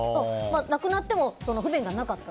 なくなっても不便がなかった。